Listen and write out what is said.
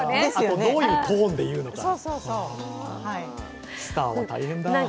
どういうトーンで言うのか。